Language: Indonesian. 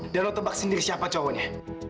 dan kamu tebak sendiri siapa cowoknya